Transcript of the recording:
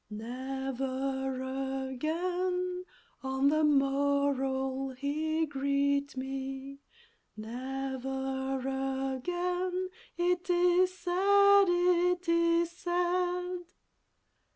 Never again on the morrow'll he greet me, Never again, it is said, it is said!